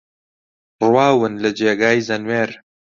ڕواون لە جێگای زەنوێر